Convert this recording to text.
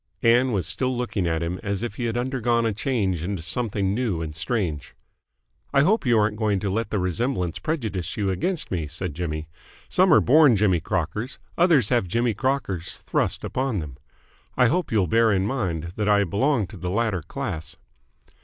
Ann was still looking at him as if he had undergone a change into something new and strange. "I hope you aren't going to let the resemblance prejudice you against me?" said Jimmy. "Some are born Jimmy Crockers, others have Jimmy Crockers thrust upon them. I hope you'll bear in mind that I belong to the latter class."